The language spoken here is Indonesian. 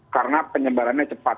karena penyebarannya cepat